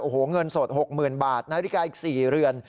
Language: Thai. โอ้โหเงินสด๖๐๐๐บาทนาฬิกาอีก๔เรือน